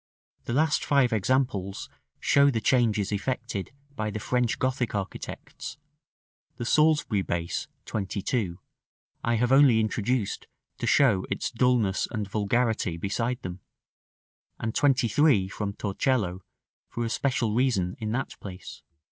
The last five examples show the changes effected by the French Gothic architects: the Salisbury base (22) I have only introduced to show its dulness and vulgarity beside them; and 23, from Torcello, for a special reason, in that place.